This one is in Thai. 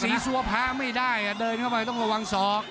ซัวพระไม่ได้เดินเข้าไปต้องระวังศอก